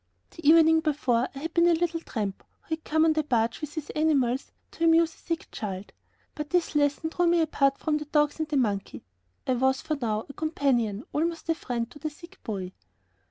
The evening before I had been a little tramp, who had come on the barge with his animals to amuse a sick child, but this lesson drew me apart from the dogs and the monkey. I was, from now, a companion, almost a friend, to the sick boy.